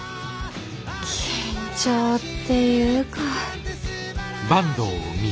緊張っていうか。